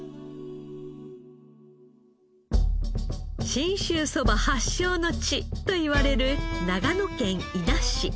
信州そば発祥の地といわれる長野県伊那市。